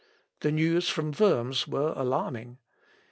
The news from Worms were alarming.